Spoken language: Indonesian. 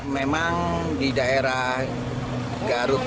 memang di daerah garut